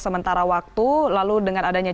sementara waktu lalu dengan adanya